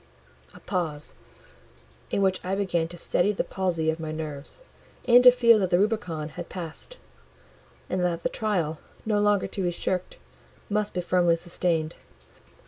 A pause—in which I began to steady the palsy of my nerves, and to feel that the Rubicon was passed; and that the trial, no longer to be shirked, must be firmly sustained.